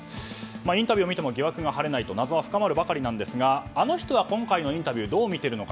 インタビューを見ても謎は深まるばかりですがあの人は今回のインタビューどう見ているのか。